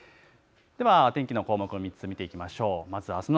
では天気のほうもこの３つ、見ていきましょう。